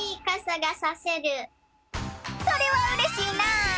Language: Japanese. それはうれしいなあ！